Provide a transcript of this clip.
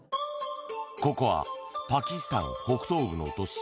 ここはパキスタン北東部の都市